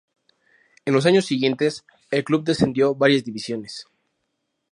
En los años siguientes el club descendió varias divisiones.